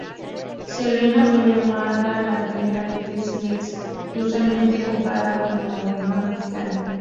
Selena fue llamada la "Reina Del Tex-Mex" y usualmente comparada como la Madonna Mexicana.